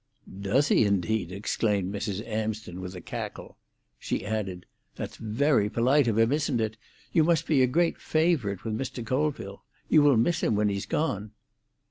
"Does he, indeed?" exclaimed Mrs. Amsden, with a cackle. She added, "That's very polite of him, isn't it? You must be a great favourite with Mr. Colville. You will miss him when he's gone."